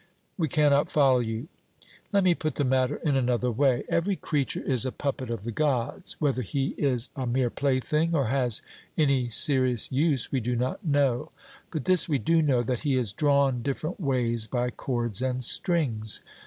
'We cannot follow you.' Let me put the matter in another way: Every creature is a puppet of the Gods whether he is a mere plaything or has any serious use we do not know; but this we do know, that he is drawn different ways by cords and strings.